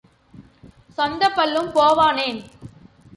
சொந்தப் பல்லும் போவானேன்?